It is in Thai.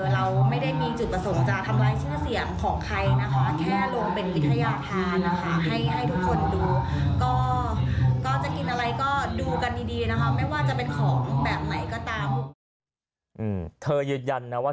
เราไม่ได้มีจุดประสงค์ทำลายเชื่อเสียงของใคร